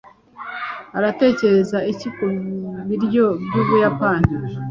uratekereza iki ku biryo by'ubuyapani